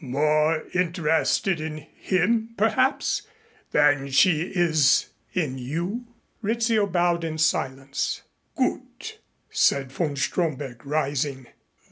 "More interested in him, perhaps, than she is in you?" Rizzio bowed in silence. "Gut," said von Stromberg rising.